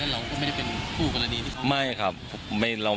แล้วเราก็ไม่ได้เป็นผู้กรณีที่เขา